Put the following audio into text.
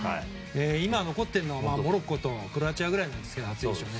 今、残ってるのはモロッコとクロアチアぐらいなんですよね